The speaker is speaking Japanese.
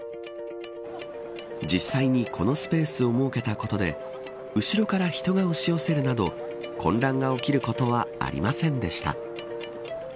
実際にこのスペースを設けたことで後ろから人が押し寄せるなど混乱が起きることはありませんでした。